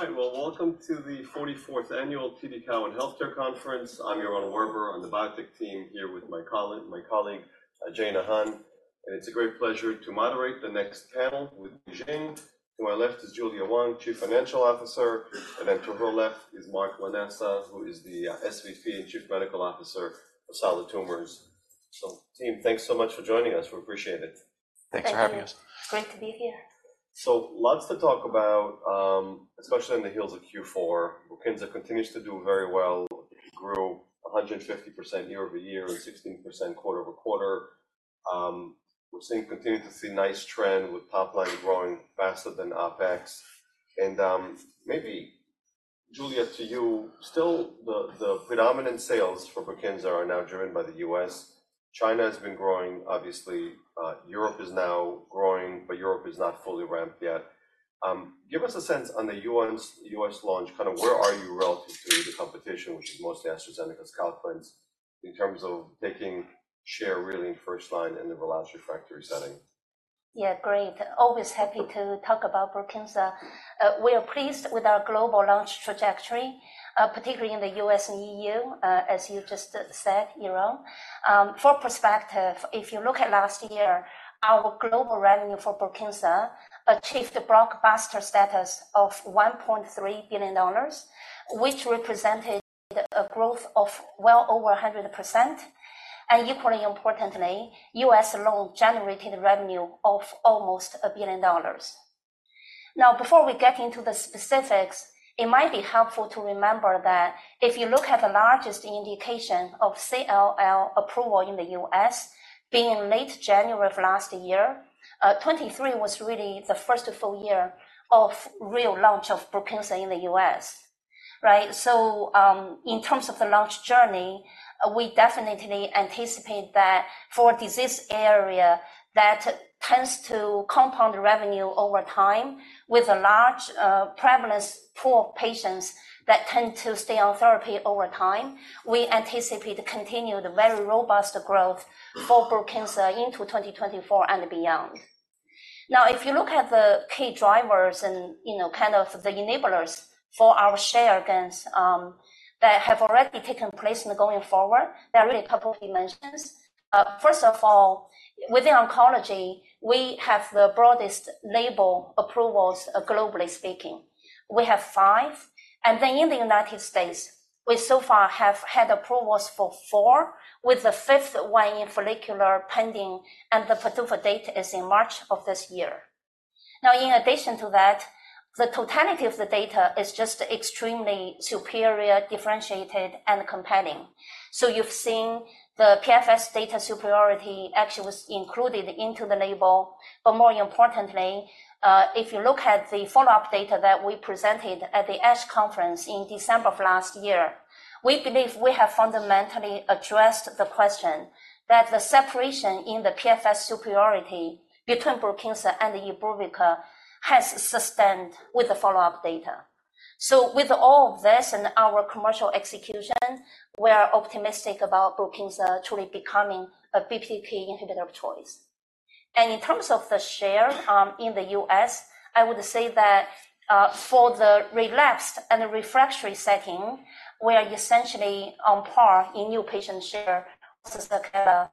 All right, well, welcome to the 44th Annual TD Cowen Healthcare Conference. I'm Yaron Werber on the biotech team here with my colleague, and it's a great pleasure to moderate the next panel with BeiGene. To my left is Julia Wang, Chief Financial Officer, and then to her left is Mark Lanasa, who is the SVP and Chief Medical Officer of Solid Tumors. So team, thanks so much for joining us. We appreciate it. Thanks for having us. Thank you. It's great to be here. So lots to talk about, especially on the heels of Q4. Brukinsa continues to do very well. It grew 150% year-over-year, and 16% quarter-over-quarter. We're continuing to see a nice trend with top line growing faster than our OpEx. Maybe Julia, to you, still the predominant sales for Brukinsa are now driven by the U.S. China has been growing, obviously, Europe is now growing, but Europe is not fully ramped yet. Give us a sense on the U.S. launch, kind of where are you relative to the competition, which is mostly AstraZeneca's Calquence, in terms of taking share really in first line in the relapsed/refractory setting? Yeah, great. Always happy to talk about Brukinsa. We are pleased with our global launch trajectory, particularly in the US and EU, as you just said, Yaron. For perspective, if you look at last year, our global revenue for Brukinsa achieved the blockbuster status of $1.3 billion, which represented a growth of well over 100%. And equally importantly, US alone generated revenue of almost $1 billion. Now, before we get into the specifics, it might be helpful to remember that if you look at the largest indication of CLL approval in the U.S., being late January of last year, 2023 was really the first full year of real launch of Brukinsa in the US, right? In terms of the launch journey, we definitely anticipate that for a disease area that tends to compound revenue over time with a large prevalence pool of patients that tend to stay on therapy over time, we anticipate to continue the very robust growth for Brukinsa into 2024 and beyond. Now, if you look at the key drivers and, you know, kind of the enablers for our share gains that have already taken place and going forward, there are really a couple of dimensions. First of all, within oncology, we have the broadest label approvals globally speaking. We have five, and then in the United States, we so far have had approvals for four, with the fifth one in follicular pending, and the PDUFA date is in March of this year. Now, in addition to that, the totality of the data is just extremely superior, differentiated, and compelling. So you've seen the PFS data superiority actually was included into the label. But more importantly, if you look at the follow-up data that we presented at the ASH conference in December of last year, we believe we have fundamentally addressed the question that the separation in the PFS superiority between Brukinsa and ibrutinib has sustained with the follow-up data. So with all of this and our commercial execution, we are optimistic about Brukinsa truly becoming a BTK inhibitor of choice. And in terms of the share, in the U.S., I would say that, for the relapsed and the refractory setting, we are essentially on par in new patient share versus the kinda...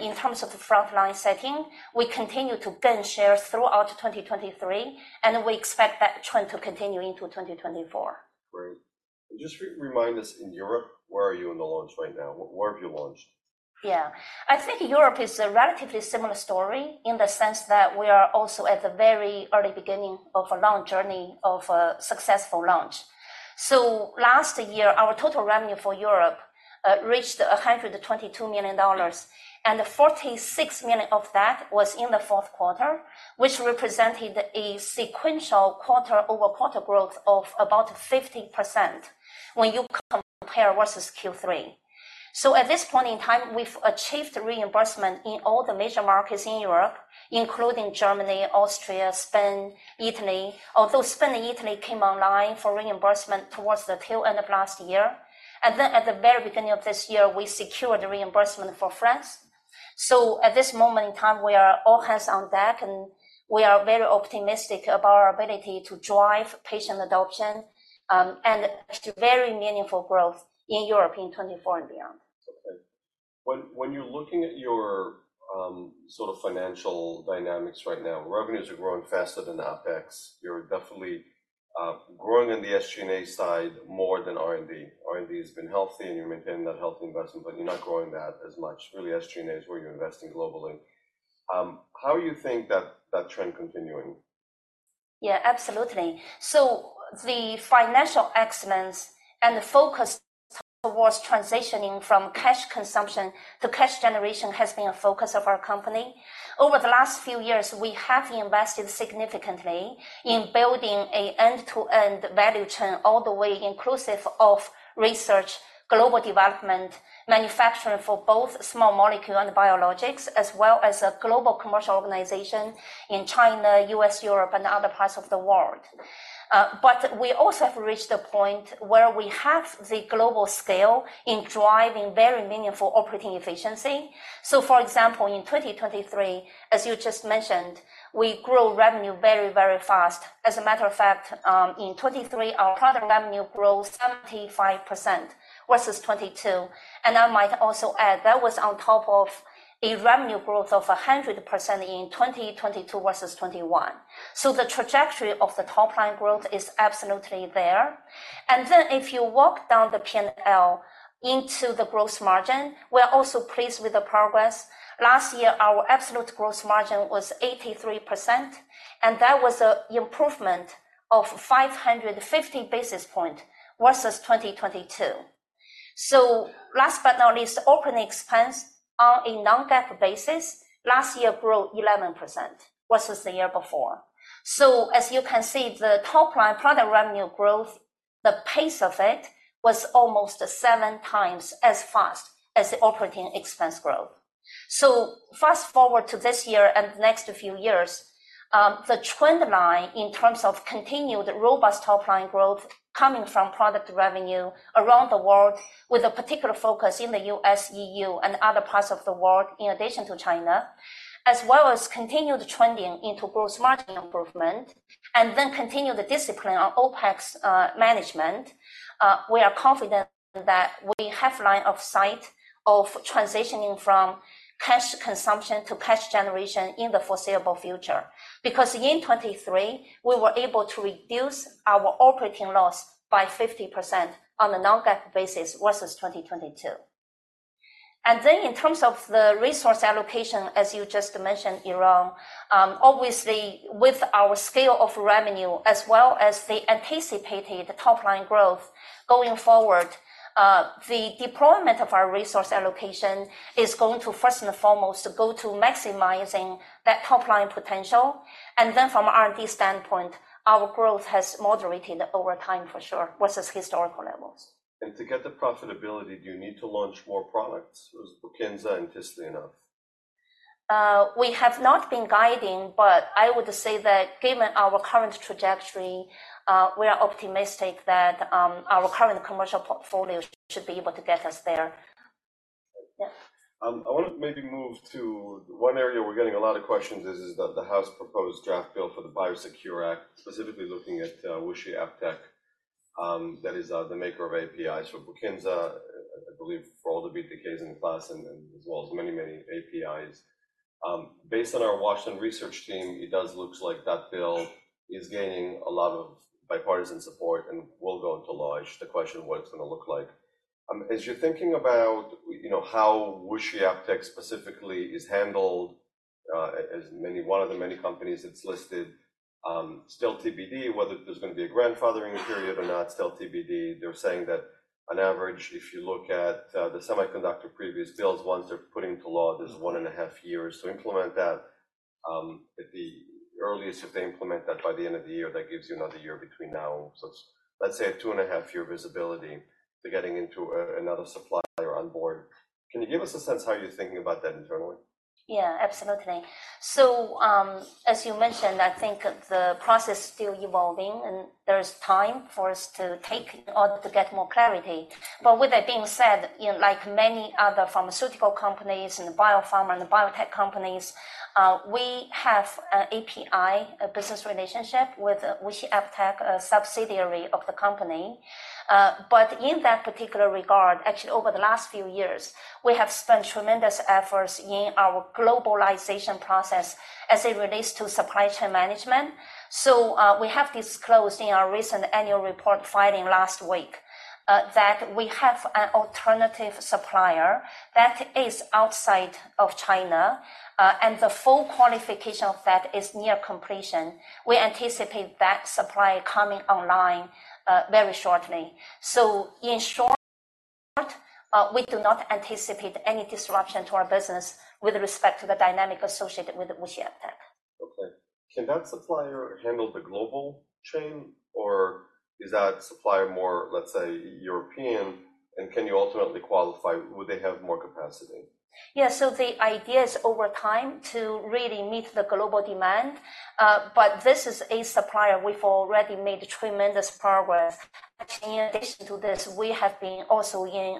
In terms of the frontline setting, we continue to gain shares throughout 2023, and we expect that trend to continue into 2024. Great. Just remind us, in Europe, where are you in the launch right now? Where have you launched? Yeah. I think Europe is a relatively similar story in the sense that we are also at the very early beginning of a long journey of a successful launch. So last year, our total revenue for Europe reached $122 million, and the $46 million of that was in the fourth quarter, which represented a sequential quarter-over-quarter growth of about 50% when you compare versus Q3. So at this point in time, we've achieved reimbursement in all the major markets in Europe, including Germany, Austria, Spain, Italy, although Spain and Italy came online for reimbursement towards the tail end of last year. And then at the very beginning of this year, we secured the reimbursement for France. At this moment in time, we are all hands on deck, and we are very optimistic about our ability to drive patient adoption, and to very meaningful growth in Europe in 2024 and beyond. Okay. When you're looking at your sort of financial dynamics right now, revenues are growing faster than OpEx. You're definitely growing in the SG&A side more than R&D. R&D has been healthy, and you're maintaining that health investment, but you're not growing that as much. Really, SG&A is where you're investing globally. How do you think that trend continuing? Yeah, absolutely. So the financial excellence and the focus towards transitioning from cash consumption to cash generation has been a focus of our company. Over the last few years, we have invested significantly in building a end-to-end value chain, all the way inclusive of research, global development, manufacturing for both small molecule and biologics, as well as a global commercial organization in China, U.S., Europe, and other parts of the world. But we also have reached a point where we have the global scale in driving very meaningful operating efficiency. So for example, in 2023, as you just mentioned, we grew revenue very, very fast. As a matter of fact, in 2023, our product revenue grew 75% versus 2022. And I might also add, that was on top of a revenue growth of 100% in 2022 versus 2021. So the trajectory of the top line growth is absolutely there. Then if you walk down the P&L into the gross margin, we are also pleased with the progress. Last year, our absolute gross margin was 83%, and that was an improvement of 550 basis points versus 2022. So last but not least, operating expense on a non-GAAP basis, last year grew 11% versus the year before. So as you can see, the top line product revenue growth, the pace of it, was almost 7x as fast as the operating expense growth. So fast forward to this year and next few years, the trend line in terms of continued robust top line growth coming from product revenue around the world, with a particular focus in the US, EU, and other parts of the world, in addition to China, as well as continued trending into gross margin improvement, and then continue the discipline on OpEx, management, we are confident that we have line of sight of transitioning from cash consumption to cash generation in the foreseeable future. Because in 2023, we were able to reduce our operating loss by 50% on a non-GAAP basis versus 2022. Then in terms of the resource allocation, as you just mentioned, I mean, obviously, with our scale of revenue as well as the anticipated top-line growth going forward, the deployment of our resource allocation is going to first and foremost, go to maximizing that top-line potential. Then from R&D standpoint, our growth has moderated over time for sure, versus historical levels. To get the profitability, do you need to launch more products like Brukinsa and Tevimbra? We have not been guiding, but I would say that given our current trajectory, we are optimistic that our current commercial portfolio should be able to get us there. Yeah. I want to maybe move to one area we're getting a lot of questions is the House proposed draft bill for the BioSecure Act, specifically looking at WuXi AppTec, that is the maker of APIs for Brukinsa, I believe for all the BTKs in the class and as well as many APIs. Based on our Washington Research team, it does look like that bill is gaining a lot of bipartisan support and will go into law. The question is what it's gonna look like. As you're thinking about, you know, how WuXi AppTec specifically is handled, as one of the many companies that's listed, still TBD whether there's gonna be a grandfathering period or not, still TBD. They're saying that on average, if you look at the semiconductor previous bills, ones they've put into law, there's 1.5 years to implement that. At the earliest, if they implement that by the end of the year, that gives you another year between now. So let's say a 2.5-year visibility to getting into another supplier on board. Can you give us a sense how you're thinking about that internally? Yeah, absolutely. So, as you mentioned, I think the process is still evolving, and there is time for us to take in order to get more clarity. But with that being said, you know, like many other pharmaceutical companies and biopharma, and biotech companies, we have an API, a business relationship with WuXi AppTec, a subsidiary of the company. But in that particular regard, actually, over the last few years, we have spent tremendous efforts in our globalization process as it relates to supply chain management. So, we have disclosed in our recent annual report filing last week, that we have an alternative supplier that is outside of China, and the full qualification of that is near completion. We anticipate that supplier coming online, very shortly. In short, we do not anticipate any disruption to our business with respect to the dynamic associated with the WuXi AppTec. Okay. Can that supplier handle the global chain, or is that supplier more, let's say, European, and can you ultimately qualify? Would they have more capacity? Yeah. So the idea is over time to really meet the global demand, but this is a supplier we've already made tremendous progress. But in addition to this, we have been also in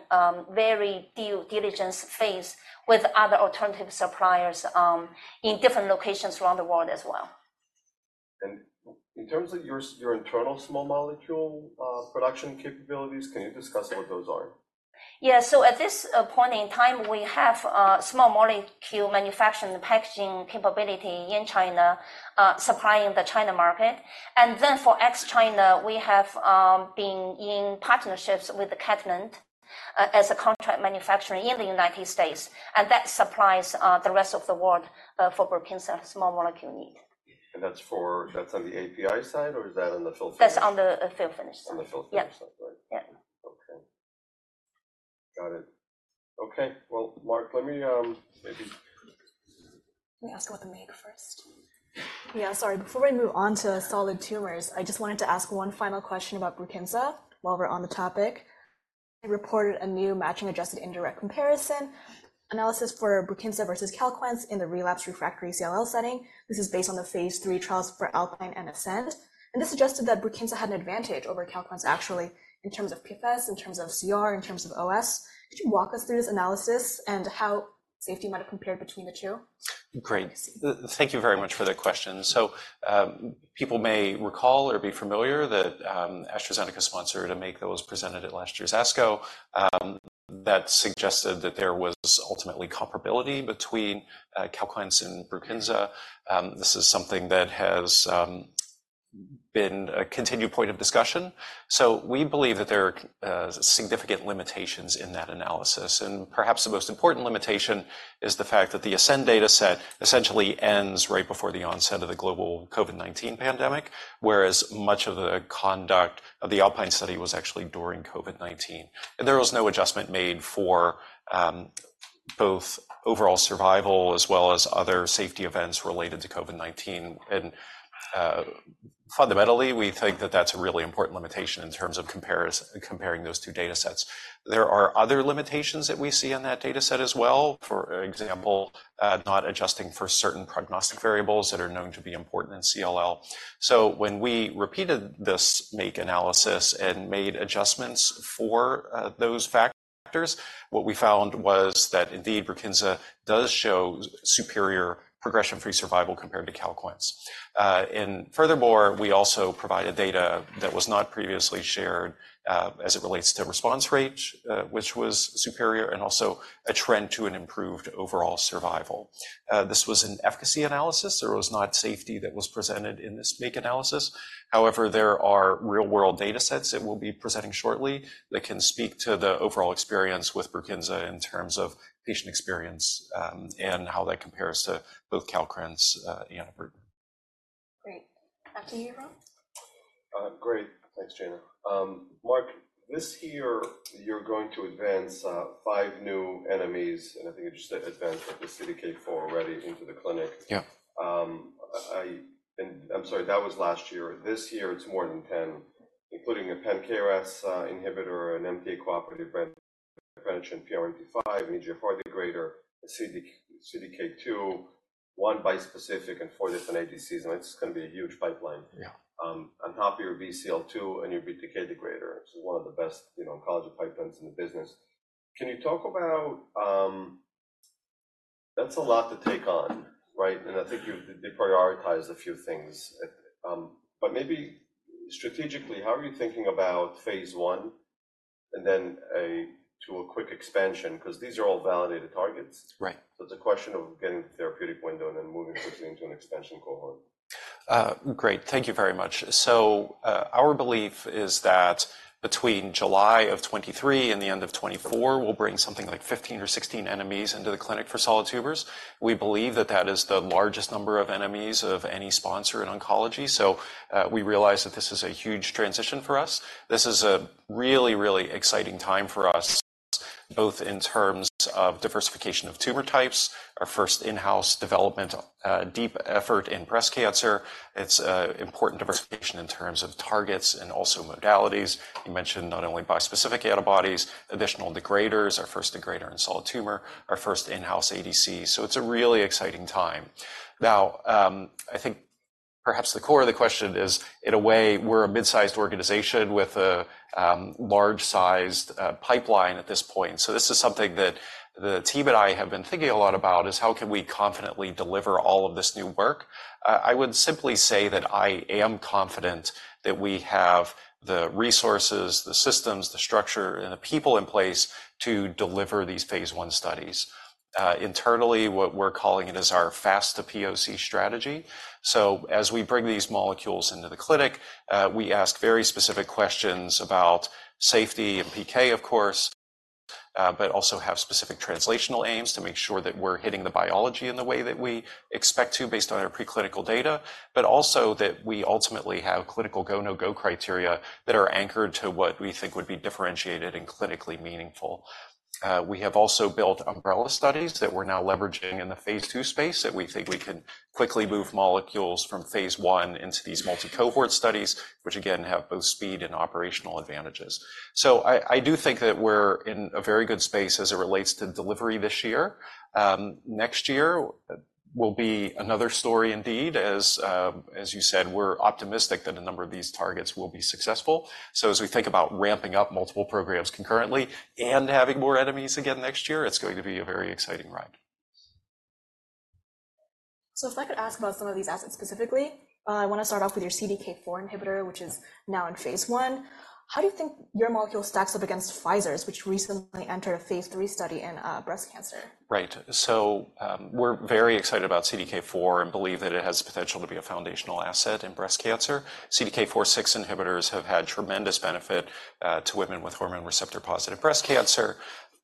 very due diligence phase with other alternative suppliers, in different locations around the world as well. In terms of your internal small molecule production capabilities, can you discuss what those are? Yeah. So at this point in time, we have a small molecule manufacturing packaging capability in China, supplying the China market. And then for ex-China, we have been in partnerships with Catalent as a contract manufacturer in the United States, and that supplies the rest of the world for Brukinsa small molecule need. That's on the API side, or is that on the fill-finish? That's on the fill-finish. On the fill-finish. Yeah.... Okay, well, Mark, let me, maybe- Let me ask about the MAIC first. Yeah, sorry. Before we move on to solid tumors, I just wanted to ask one final question about Brukinsa while we're on the topic. You reported a new matching-adjusted indirect comparison analysis for Brukinsa versus Calquence in the relapse/refractory CLL setting. This is based on the Phase 3 trials for Alpine and Ascend, and this suggested that Brukinsa had an advantage over Calquence, actually, in terms of PFS, in terms of CR, in terms of OS. Could you walk us through this analysis and how safety might have compared between the two? Great. Thank you very much for the question. So, people may recall or be familiar that, AstraZeneca sponsored a MAIC that was presented at last year's ASCO, that suggested that there was ultimately comparability between, Calquence and Brukinsa. This is something that has, been a continued point of discussion. So we believe that there are, significant limitations in that analysis, and perhaps the most important limitation is the fact that the Ascend dataset essentially ends right before the onset of the global COVID-19 pandemic, whereas much of the conduct of the Alpine study was actually during COVID-19. And there was no adjustment made for, both overall survival, as well as other safety events related to COVID-19. And, fundamentally, we think that that's a really important limitation in terms of comparing those two datasets. There are other limitations that we see in that dataset as well, for example, not adjusting for certain prognostic variables that are known to be important in CLL. So when we repeated this MAIC analysis and made adjustments for those factors, what we found was that indeed, Brukinsa does show superior progression-free survival compared to Calquence. And furthermore, we also provided data that was not previously shared, as it relates to response rate, which was superior, and also a trend to an improved overall survival. This was an efficacy analysis. There was not safety that was presented in this MAIC analysis. However, there are real-world datasets that we'll be presenting shortly that can speak to the overall experience with Brukinsa in terms of patient experience, and how that compares to both Calquence and Imbruvica. Great. Back to you, Yaron. Great. Thanks. Mark, this year, you're going to advance 5 new NMEs, and I think you just advanced, like, the CDK4 already into the clinic. Yeah. And I'm sorry, that was last year. This year, it's more than 10, including a pan-KRAS inhibitor, an MTAP co-op PRMT5, EGFR degrader, CDK, CDK2, 1 bispecific, and 4 different ADCs, and it's gonna be a huge pipeline. Yeah. On top of your BCL-2 and your BTK degrader, this is one of the best, you know, oncology pipelines in the business. Can you talk about... That's a lot to take on, right? And I think you've deprioritized a few things. But maybe strategically, how are you thinking about phase I and then a, to a quick expansion? Because these are all validated targets. Right. It's a question of getting the therapeutic window and then moving quickly into an expansion cohort. Great. Thank you very much. So, our belief is that between July of 2023 and the end of 2024, we'll bring something like 15 or 16 NMEs into the clinic for solid tumors. We believe that that is the largest number of NMEs of any sponsor in oncology, so, we realize that this is a huge transition for us. This is a really, really exciting time for us, both in terms of diversification of tumor types, our first in-house development, deep effort in breast cancer. It's important diversification in terms of targets and also modalities. You mentioned not only bispecific antibodies, additional degraders, our first degrader in solid tumor, our first in-house ADC, so it's a really exciting time. Now, I think perhaps the core of the question is, in a way, we're a mid-sized organization with a large-sized pipeline at this point. So this is something that the team and I have been thinking a lot about, is how can we confidently deliver all of this new work? I would simply say that I am confident that we have the resources, the systems, the structure, and the people in place to deliver these phase I studies. Internally, what we're calling it is our fast to POC strategy. So as we bring these molecules into the clinic, we ask very specific questions about safety and PK, of course, but also have specific translational aims to make sure that we're hitting the biology in the way that we expect to, based on our preclinical data, but also that we ultimately have clinical go/no-go criteria that are anchored to what we think would be differentiated and clinically meaningful. We have also built umbrella studies that we're now leveraging in the phase II space, that we think we can quickly move molecules from phase I into these multi-cohort studies, which again, have both speed and operational advantages. So I, I do think that we're in a very good space as it relates to delivery this year. Next year will be another story indeed as, as you said, we're optimistic that a number of these targets will be successful. So as we think about ramping up multiple programs concurrently and having more NMEs again next year, it's going to be a very exciting ride. So if I could ask about some of these assets specifically, I wanna start off with your CDK4 inhibitor, which is now in phase I. How do you think your molecule stacks up against Pfizer's, which recently entered a phase III study in breast cancer? Right. So, we're very excited about CDK4 and believe that it has potential to be a foundational asset in breast cancer. CDK4/6 inhibitors have had tremendous benefit to women with hormone receptor-positive breast cancer.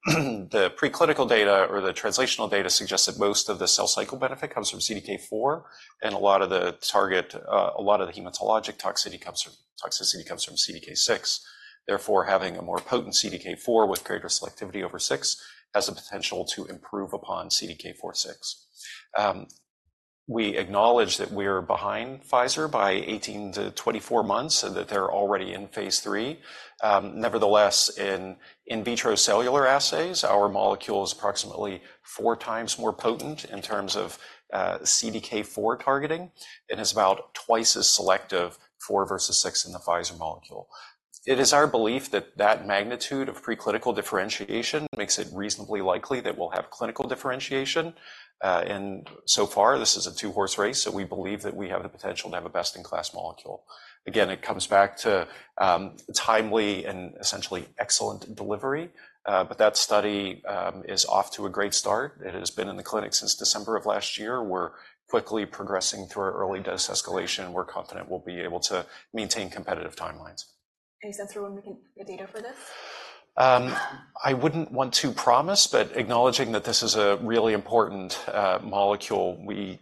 The preclinical data or the translational data suggests that most of the cell cycle benefit comes from CDK4, and a lot of the hematologic toxicity comes from CDK6. Therefore, having a more potent CDK4 with greater selectivity over 6 has the potential to improve upon CDK4/6. We acknowledge that we're behind Pfizer by 18-24 months, and that they're already in phase III. Nevertheless, in vitro cellular assays, our molecule is approximately four times more potent in terms of CDK4 targeting and is about twice as selective, four versus six, in the Pfizer molecule. It is our belief that that magnitude of preclinical differentiation makes it reasonably likely that we'll have clinical differentiation. And so far, this is a two-horse race, so we believe that we have the potential to have a best-in-class molecule. Again, it comes back to, timely and essentially excellent delivery, but that study is off to a great start. It has been in the clinic since December of last year. We're quickly progressing through our early dose escalation, and we're confident we'll be able to maintain competitive timelines. Any sense for when we can get data for this? I wouldn't want to promise, but acknowledging that this is a really important molecule, we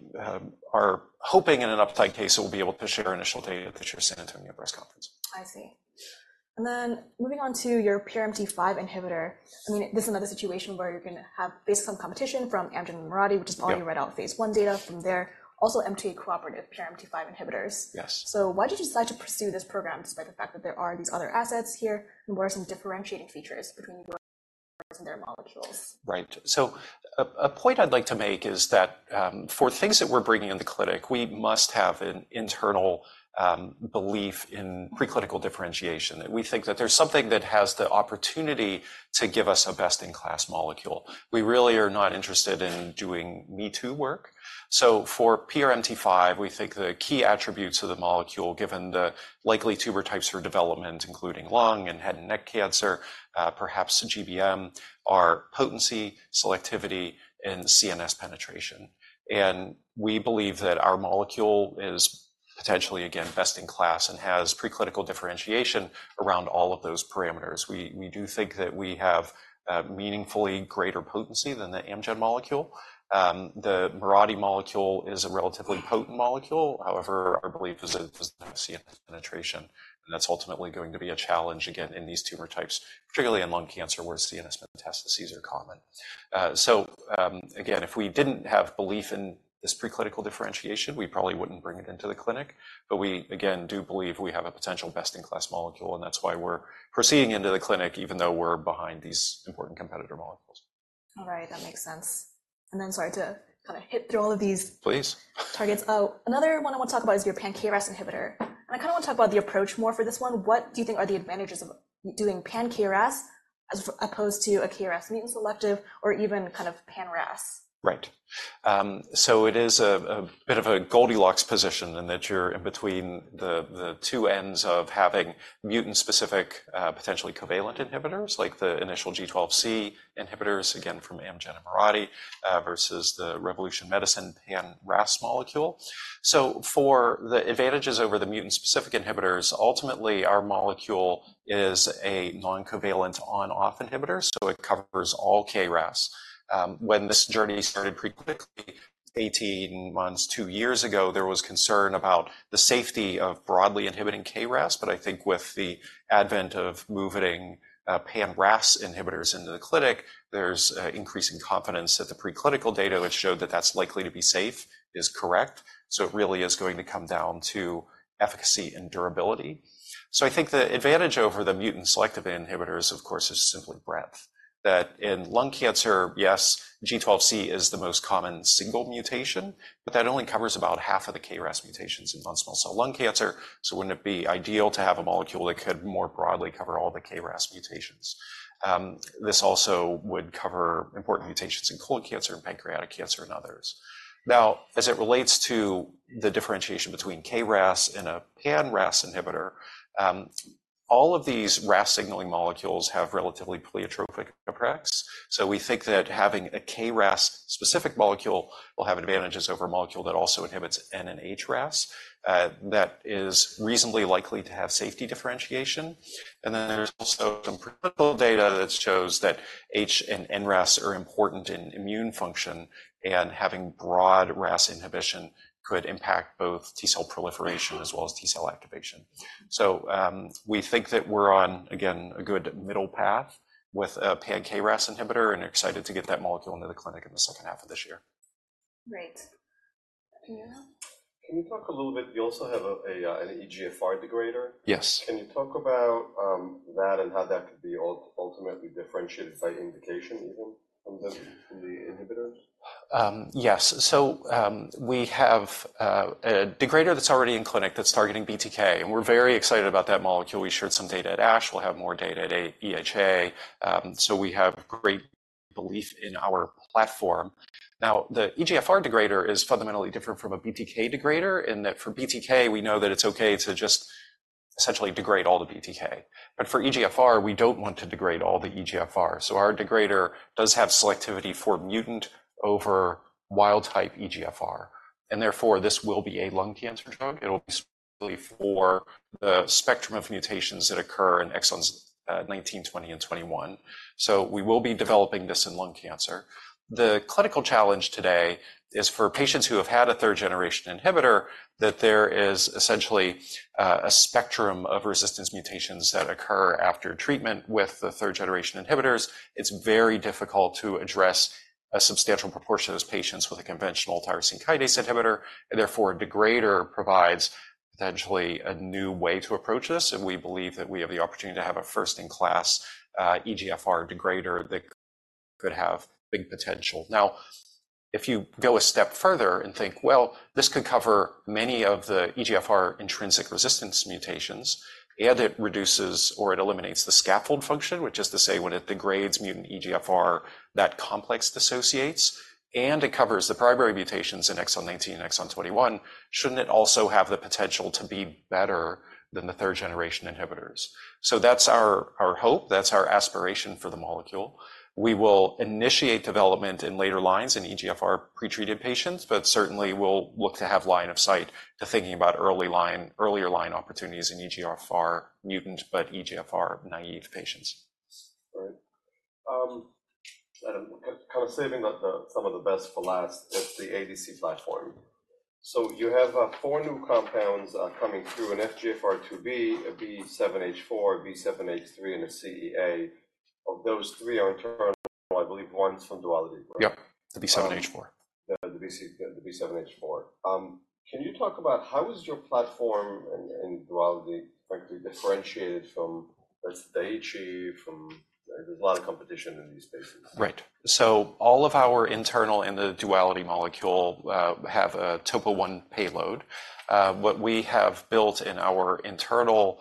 are hoping in an upside case, we'll be able to share our initial data at the San Antonio Breast Cancer Symposium. I see. And then moving on to your PRMT5 inhibitor, I mean, this is another situation where you're going to have based on competition from Amgen and Mirati- Yeah. which is already right out of phase I data from there, also MTAP-cooperative PRMT5 inhibitors. Yes. So why did you decide to pursue this program, despite the fact that there are these other assets here, and what are some differentiating features between yours and their molecules? Right. So a point I'd like to make is that, for things that we're bringing in the clinic, we must have an internal belief in preclinical differentiation, that we think that there's something that has the opportunity to give us a best-in-class molecule. We really are not interested in doing me-too work. So for PRMT5, we think the key attributes of the molecule, given the likely tumor types for development, including lung and head and neck cancer, perhaps GBM, are potency, selectivity, and CNS penetration. And we believe that our molecule is potentially, again, best in class and has preclinical differentiation around all of those parameters. We do think that we have meaningfully greater potency than the Amgen molecule. The Mirati molecule is a relatively potent molecule, however, our belief is that it does not have CNS penetration, and that's ultimately going to be a challenge, again, in these tumor types, particularly in lung cancer, where CNS metastases are common. So, again, if we didn't have belief in this preclinical differentiation, we probably wouldn't bring it into the clinic. But we, again, do believe we have a potential best-in-class molecule, and that's why we're proceeding into the clinic, even though we're behind these important competitor molecules. All right, that makes sense. And then, sorry, to kind of hit through all of these- Please. -targets. Another one I want to talk about is your pan-KRAS inhibitor, and I kind of want to talk about the approach more for this one. What do you think are the advantages of doing pan-KRAS, as opposed to a KRAS mutant selective or even kind of pan-RAS? Right. So it is a bit of a Goldilocks position in that you're in between the two ends of having mutant-specific, potentially covalent inhibitors, like the initial G12C inhibitors, again, from Amgen and Mirati, versus the Revolution Medicines pan-RAS molecule. So for the advantages over the mutant-specific inhibitors, ultimately, our molecule is a non-covalent on/off inhibitor, so it covers all KRAS. When this journey started preclinically 18 months, 2 years ago, there was concern about the safety of broadly inhibiting KRAS, but I think with the advent of moving pan-RAS inhibitors into the clinic, there's increasing confidence that the preclinical data, which showed that that's likely to be safe, is correct. So it really is going to come down to efficacy and durability. So I think the advantage over the mutant-selective inhibitors, of course, is simply breadth. That in lung cancer, yes, G12C is the most common single mutation, but that only covers about half of the KRAS mutations in non-small cell lung cancer. So wouldn't it be ideal to have a molecule that could more broadly cover all the KRAS mutations? This also would cover important mutations in colon cancer and pancreatic cancer and others. Now, as it relates to the differentiation between KRAS and a pan-RAS inhibitor, all of these RAS signaling molecules have relatively pleiotropic effects. So we think that having a KRAS-specific molecule will have advantages over a molecule that also inhibits NRAS and HRAS. That is reasonably likely to have safety differentiation, and then there's also some clinical data that shows that HRAS and NRAS are important in immune function, and having broad RAS inhibition could impact both T cell proliferation as well as T cell activation. So, we think that we're on, again, a good middle path with a pan-KRAS inhibitor and excited to get that molecule into the clinic in the second half of this year. Great. Yaron? Can you talk a little bit... You also have a, an EGFR degrader. Yes. Can you talk about that and how that could be ultimately differentiated by indication, even from the inhibitors? Yes. So, we have a degrader that's already in clinic that's targeting BTK, and we're very excited about that molecule. We shared some data at ASH. We'll have more data at EHA, so we have great belief in our platform. Now, the EGFR degrader is fundamentally different from a BTK degrader in that for BTK, we know that it's okay to just essentially degrade all the BTK. But for EGFR, we don't want to degrade all the EGFR, so our degrader does have selectivity for mutant over wild-type EGFR, and therefore, this will be a lung cancer drug. It'll be specifically for the spectrum of mutations that occur in exons 19, 20, and 21, so we will be developing this in lung cancer. The clinical challenge today is for patients who have had a third-generation inhibitor, that there is essentially a spectrum of resistance mutations that occur after treatment with the third-generation inhibitors. It's very difficult to address a substantial proportion of those patients with a conventional tyrosine kinase inhibitor, and therefore, a degrader provides potentially a new way to approach this, and we believe that we have the opportunity to have a first-in-class EGFR degrader that could have big potential. Now, if you go a step further and think, well, this could cover many of the EGFR intrinsic resistance mutations, and it reduces or it eliminates the scaffold function, which is to say, when it degrades mutant EGFR, that complex dissociates, and it covers the primary mutations in exon 19 and exon 21. Shouldn't it also have the potential to be better than the third-generation inhibitors? So that's our hope, that's our aspiration for the molecule. We will initiate development in later lines in EGFR pretreated patients, but certainly we'll look to have line of sight to thinking about early line, earlier line opportunities in EGFR mutant, but EGFR naive patients. All right. Kind of saving some of the best for last, it's the ADC platform. So you have four new compounds coming through, an FGFR2b, a B7-H4, B7-H3, and a CEA. Of those three are internal, I believe one's from Duality, correct? Yep, the B7-H4. The B7-H4. Can you talk about how is your platform and, and Duality frankly differentiated from, let's say, Daiichi, from... There's a lot of competition in these spaces. Right. So all of our internal and the Duality molecule have a TOPO1 payload. What we have built in our internal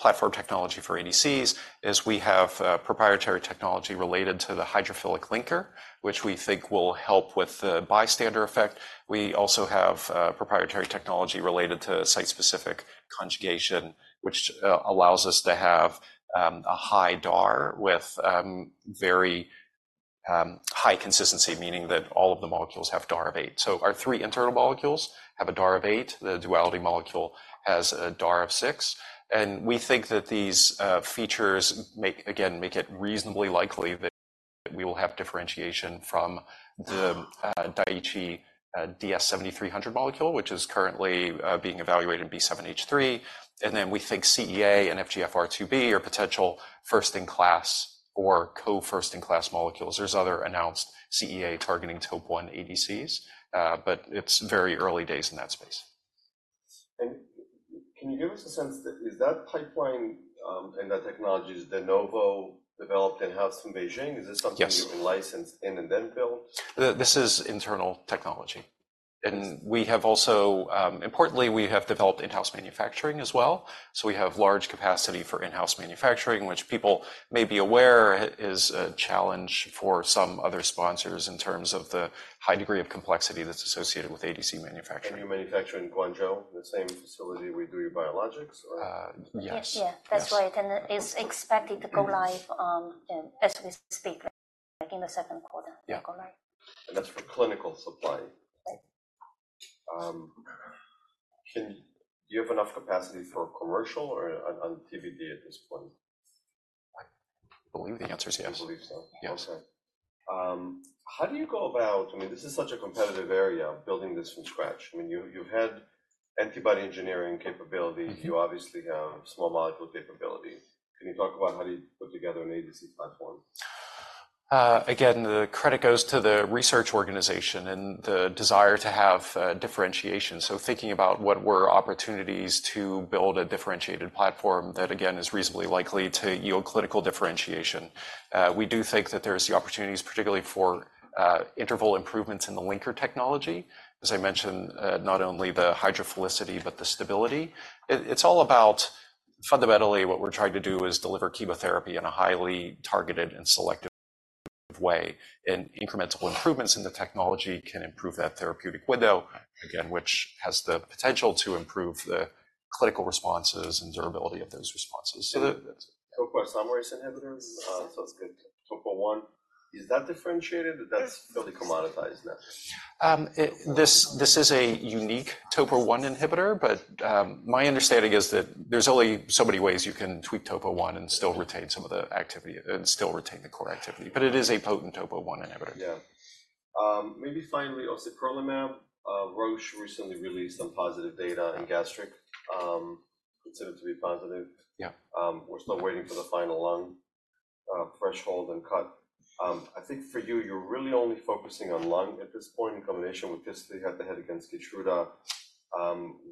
platform technology for ADCs is we have proprietary technology related to the hydrophilic linker, which we think will help with the bystander effect. We also have proprietary technology related to site-specific conjugation, which allows us to have a high DAR with very high consistency, meaning that all of the molecules have DAR of 8. So our 3 internal molecules have a DAR of 8. The Duality molecule has a DAR of 6, and we think that these features make, again, make it reasonably likely that we will have differentiation from the Daiichi DS-7300 molecule, which is currently being evaluated in B7-H3. And then we think CEA and FGFR2b are potential first-in-class or co-first-in-class molecules. There's other announced CEA targeting TOPO1 ADCs, but it's very early days in that space. Can you give us a sense, is that pipeline and that technology de novo developed in-house in BeiGene? Yes. Is this something you can license in and then build? This is internal technology. And we have also, importantly, we have developed in-house manufacturing as well, so we have large capacity for in-house manufacturing, which people may be aware is a challenge for some other sponsors in terms of the high degree of complexity that's associated with ADC manufacturing. You manufacture in Guangzhou, the same facility we do your biologics, or? Uh, yes. Yes. Yeah, that's right. Yes. It's expected to go live, as we speak, like, in the second quarter- Yeah -to go live. That's for clinical supply? Right. Do you have enough capacity for commercial or on TBD at this point? I believe the answer is yes. I believe so. Yes. Okay. How do you go about, I mean, this is such a competitive area, building this from scratch. I mean, you, you've had antibody engineering capability. Mm-hmm. You obviously have small molecule capability. Can you talk about how do you put together an ADC platform? Again, the credit goes to the research organization and the desire to have differentiation. So thinking about what were opportunities to build a differentiated platform that, again, is reasonably likely to yield clinical differentiation. We do think that there's the opportunities, particularly for interval improvements in the linker technology. As I mentioned, not only the hydrophilicity but the stability. It, it's all about, fundamentally, what we're trying to do is deliver chemotherapy in a highly targeted and selective way, and incremental improvements in the technology can improve that therapeutic window, again, which has the potential to improve the clinical responses and durability of those responses. So the- TOPO1, some are inhibitors, so it's good. TOPO1, is that differentiated? That's fully commoditized, isn't it? This is a unique TOPO1 inhibitor, but my understanding is that there's only so many ways you can tweak TOPO1 and still retain some of the activity, and still retain the core activity. But it is a potent TOPO1 inhibitor. Yeah. Maybe finally, atezolizumab, Roche recently released some positive data in gastric, considered to be positive. Yeah. We're still waiting for the final lung threshold and cut. I think for you, you're really only focusing on lung at this point in combination with this. They have the head against Keytruda.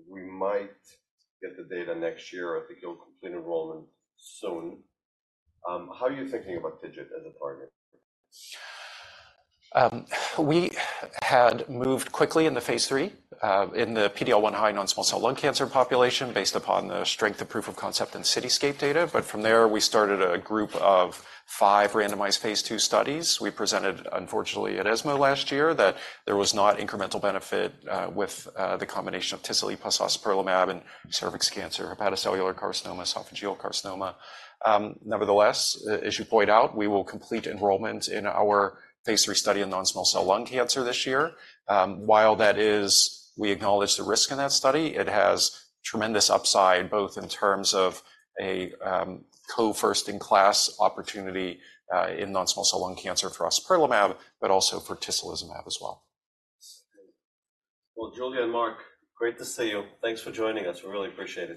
We might get the data next year. I think you'll complete enrollment soon. How are you thinking about TIGIT as a partner? We had moved quickly into phase III, in the PD-L1 high non-small cell lung cancer population, based upon the strength of proof of concept in Cityscape data. But from there, we started a group of five randomized phase II studies. We presented, unfortunately, at ESMO last year, that there was not incremental benefit, with the combination of tislelizumab plus atezolizumab in cervix cancer, hepatocellular carcinoma, esophageal carcinoma. Nevertheless, as you point out, we will complete enrollment in our phase III study in non-small cell lung cancer this year. While that is, we acknowledge the risk in that study, it has tremendous upside, both in terms of a co-first-in-class opportunity, in non-small cell lung cancer for atezolizumab, but also for tislelizumab as well. Well, Julia and Mark, great to see you. Thanks for joining us. We really appreciate it.